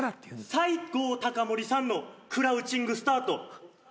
西郷隆盛さんのクラウチングスタート。